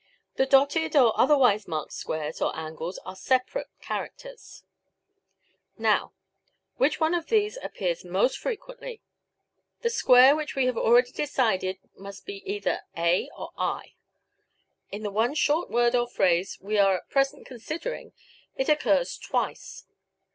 The dotted or otherwise marked squares or angles are separate characters. Now, which one of these appears most frequently? The square, which we have already decided must be either a or i. In the one short word or phrase we are at present considering, it occurs twice.